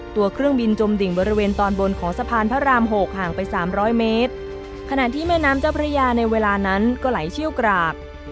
ตัวเครื่องบินจมดิ่งบริเวณตอนบนของสะพานพระรามหกห่างไปสามร้อยเมตรขณะที่แม่น้ำเจ้าพระยาในเวลานั้นก็ไหลเชี่ยวกราก